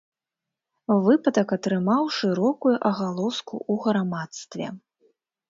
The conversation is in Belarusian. Выпадак атрымаў шырокую агалоску ў грамадстве.